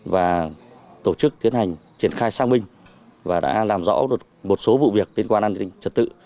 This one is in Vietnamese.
và tổ chức tiến hành triển khai xác minh và đã làm rõ một số vụ việc liên quan đến trật tự